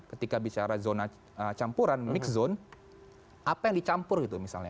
ketika bicara zona campuran mix zone apa yang dicampur gitu misalnya